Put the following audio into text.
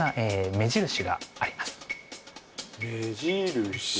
目印？